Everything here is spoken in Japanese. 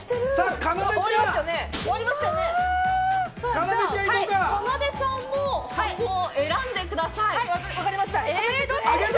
かなでさんも箱選んでください。